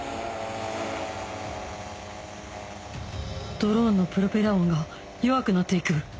ドローンのプロペラ音が弱くなって行く